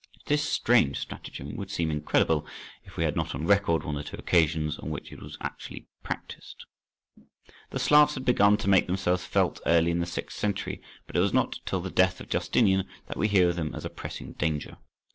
This strange stratagem would seem incredible, if we had not on record one or two occasions on which it was actually practised. The Slavs had begun to make themselves felt early in the sixth century, but it was not till the death of Justinian that we hear of them as a pressing danger.